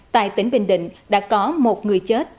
tại tỉnh bình định đã có một người chết